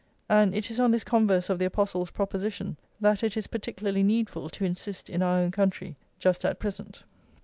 And it is on this converse of the apostle's proposition that it is particularly needful to insist in our own country just at present.